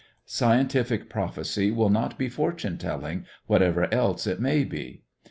Scientific prophecy will not be fortune telling, whatever else it may be.